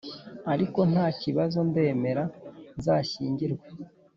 ariko ntakibazo ndemera nzashyingirwe